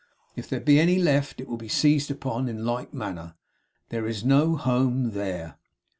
If there be any left, it will be seized on, in like manner. There is no home THERE.